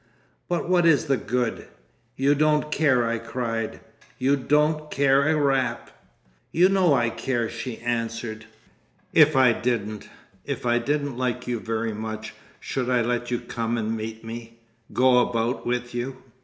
"But what is the good?" "You don't care," I cried. "You don't care a rap!" "You know I care," she answered. "If I didn't—If I didn't like you very much, should I let you come and meet me—go about with you?"